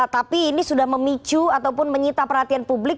tapi ini sudah memicu ataupun menyita perhatian publik